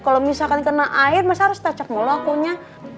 kalau misalkan kena air mas harus touch up melokonya